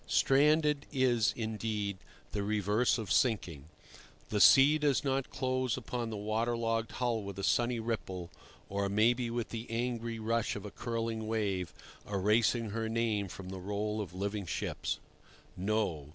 Stranding is, indeed, the reverse of sinking. The sea does not close upon the water logged hull with a sunny ripple, or maybe with the angry rush of a curling wave, erasing her name from the roll of living ships. No.